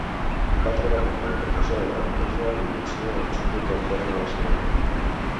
Va treballar com a professor de dramatúrgia i direcció a l'Institut del Teatre de Barcelona.